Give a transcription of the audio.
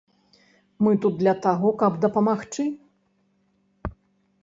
Мы тут для таго, каб дапамагчы.